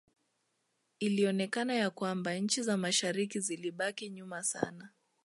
Ilionekana ya kwamba nchi za mashariki zilibaki nyuma sana